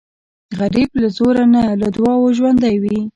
غریب له زوره نه، له دعاو ژوندی وي